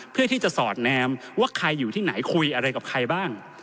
เพื่อที่จะสอดแนมว่าใครอยู่ที่ไหนคุยอะไรกับใครบ้าง